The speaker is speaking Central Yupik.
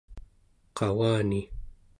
qau͡gani